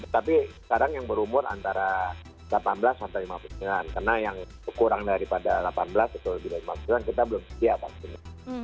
tapi sekarang yang berumur antara delapan belas sampai lima puluh sembilan karena yang kurang daripada delapan belas atau lebih dari lima puluh an kita belum siap vaksinnya